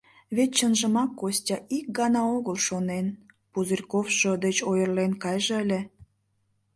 Вет чынжымак Костя ик гана огыл шонен: «Пузырьковшо деч ойырлен кайже ыле».